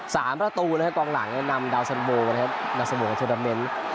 สามประตูนะครับกว้างหลังเนี่ยนำดาวสันโบกนะครับดาวสันโบกเทอร์ดาเมน